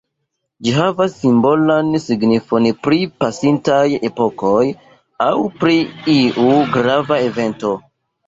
Ĝi havas simbolan signifon pri pasintaj epokoj aŭ pri iu grava evento.